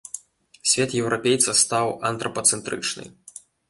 Свет еўрапейца стаў антрапацэнтрычны.